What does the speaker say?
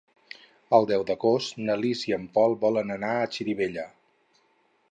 El deu d'agost na Lis i en Pol volen anar a Xirivella.